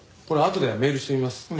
これあとでメールしてみます。